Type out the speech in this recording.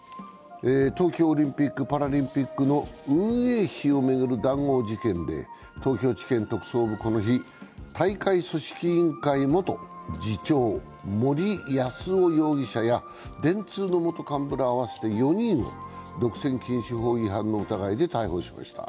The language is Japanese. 東京オリンピック・パラリンピックの運営費を巡る談合事件で、東京地検特捜部はこの日、大会組織委員会元次長・森泰夫容疑者や電通の元幹部ら合わせて４人、独占禁止法違反の疑いで逮捕しました。